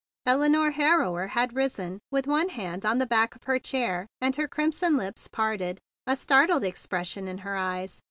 Elinore Harrower had risen with one hand on the back of her chair; and her crimson lips parted, a startled expres¬ sion in her eyes.